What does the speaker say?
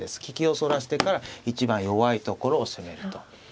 利きをそらしてから一番弱いところを攻めると。